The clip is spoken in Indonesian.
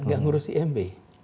nggak ngurus iab